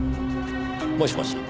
もしもし。